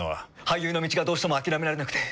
俳優の道がどうしても諦められなくて。